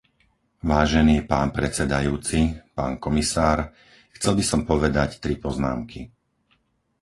Vážený pán predsedajúci, pán komisár, chcel by som povedať tri poznámky.